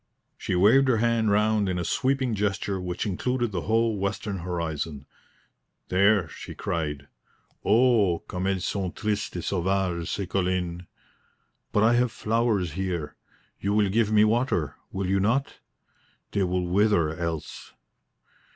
She waved her hand round in a sweeping gesture which included the whole western horizon. "There," she cried. "O comme elles sont tristes et sauvages, ces collines! But I have flowers here. You will give me water, will you not? They will wither else."